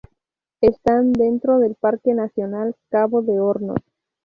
Están dentro del Parque Nacional Cabo de Hornos.